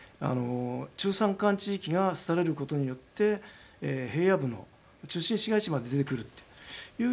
中山間地域が廃れることによって平野部の中心市街地まで出てくるというような事故がですね